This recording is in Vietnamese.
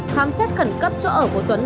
khám xét khẩn cấp chỗ ở của tuấn